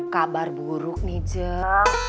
kabar buruk nih jeng